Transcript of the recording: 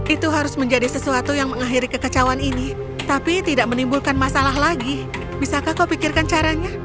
itu harus menjadi sesuatu yang mengakhiri kekecauan ini tapi tidak menimbulkan masalah lagi bisakah kau pikirkan caranya